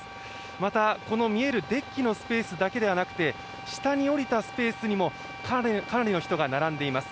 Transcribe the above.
またこの見えるデッキのスペースだけではなくて、下におりたスペースにもかなりの人が並んでいます。